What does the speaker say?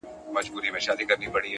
هغه ورځ به پر دې قام باندي رڼا سي-